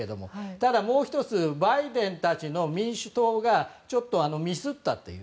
ただ、もう１つバイデンたちの民主党がちょっとミスったという。